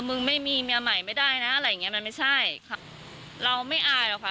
มึงไม่มีเมียใหม่ไม่ได้นะอะไรอย่างเงี้มันไม่ใช่ค่ะเราไม่อายหรอกค่ะ